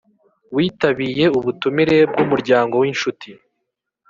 witabiye ubutumire bwumuryango winshuti.